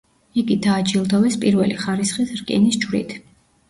იგი დააჯილდოვეს პირველი ხარისხის რკინის ჯვრით.